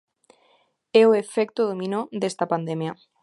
É o efecto dominó desta pandemia.